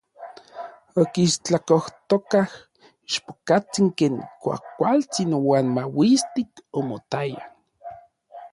Okistlakojtokaj ichpokatsin ken kuajkualtsin uan mauistik omotaya.